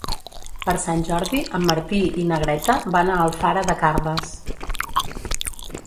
Per Sant Jordi en Martí i na Greta van a Alfara de Carles.